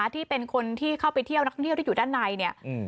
ที่เป็นคนที่เข้าไปเที่ยวนักท่องเที่ยวที่อยู่ด้านในเนี่ย